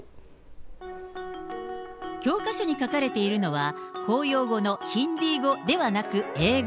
教科書に書かれているのは、公用語のヒンディー語ではなく英語。